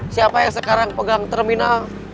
siapa yang sekarang pegang terminal